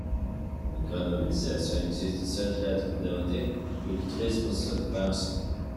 Une grande mobilisation existe au sein de la communauté locutrice pour sa défense.